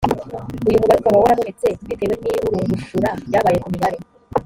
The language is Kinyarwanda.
uyumubare ukaba warabonetse bitewe n ‘iburungushura ryabaye ku mibare.